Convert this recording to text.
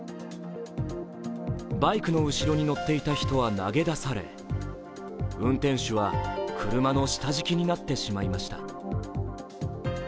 バイクの後ろに乗っていた人は投げ出され、運転手は車の下敷きになってしまいました。